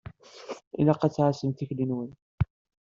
Ilaq ad tɛassem tikli-nwen.